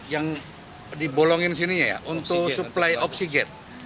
yang dibolongin sininya ya untuk supply oksigen